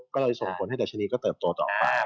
ก็เลยส่งผลให้ดัชนีก็เติบโตต่อไป